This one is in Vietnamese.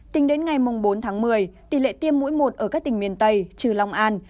tính đến ngày bốn tháng một mươi tỷ lệ tiêm mũi một ở các tỉnh miền tây trừ long an